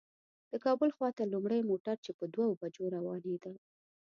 د کابل خواته لومړی موټر په دوو بجو روانېده.